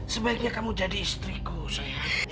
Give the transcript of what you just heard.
sebaiknya kamu jadi istriku saya